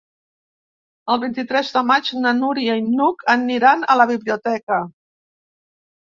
El vint-i-tres de maig na Núria i n'Hug aniran a la biblioteca.